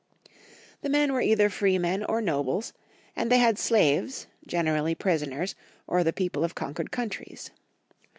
The men were either freemen or nobles, and they had slaves, generally prisoners or the people of conquered The Ancieiit Germana. 15 coimtmes.